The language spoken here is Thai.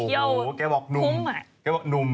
ช็อปกินเที่ยวทุ่ม